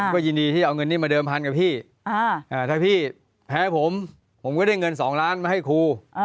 ก็ยินดีที่เอาเงินนี้มาเดิมพันกับพี่ถ้าพี่แพ้ผมผมก็ได้เงิน๒ล้านมาให้ครู